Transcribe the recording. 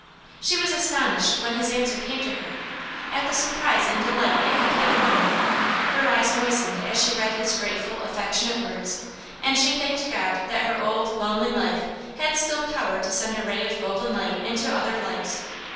She was astonished, when his answer came to her, at the surprise and delight it had given him. Her eyes moistened as she read his grateful, affectionate words, and she thanked God that her old, lonely life had still power to send a ray of golden light into other lives.